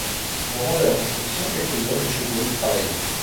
Au moment de la construction, quelque hommes et chevaux y travaillaient.